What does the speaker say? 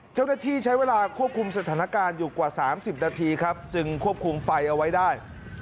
เจ้าหน้าที่ใช้เวลาควบคุมสถานการณ์อยู่กว่า๓๐นาทีครับจึงควบคุมไฟเอาไว้ได้